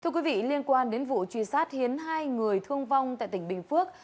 thưa quý vị liên quan đến vụ truy sát khiến hai người thương vong tại tỉnh bình phước